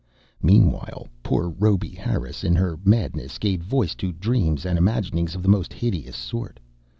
Meanwhile poor Rhoby Harris, in her madness, gave voice to dreams and imaginings of the most hideous sort.